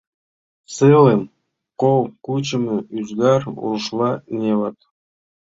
Сылым — кол кучымо ӱзгар, рушла невод.